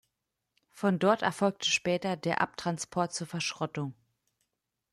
Von dort erfolgte später der Abtransport zur Verschrottung.